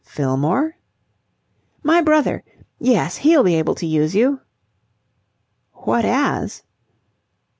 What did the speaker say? "Fillmore?" "My brother. Yes, he'll be able to use you." "What as?"